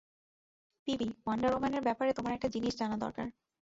PB, wonder ওম্যানের ব্যাপারে তোমার একটা জিনিস জানা দরকার।